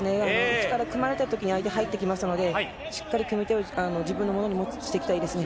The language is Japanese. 内から組まれたときに相手、入ってきますので、しっかり組み手を自分のものにもっていきたいですね。